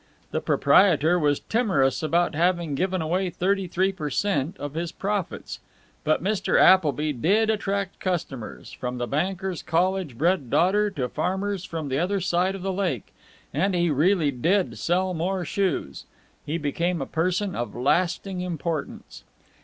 The proprietor was timorous about having given away thirty three per cent. of his profits. But Mr. Appleby did attract customers from the banker's college bred daughter to farmers from the other side of the Lake and he really did sell more shoes. He became a person of lasting importance.